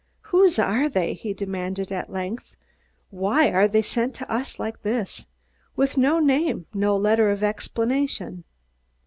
"Whose are they?" he demanded at length. "Why are they sent to us like this, with no name, no letter of explanation?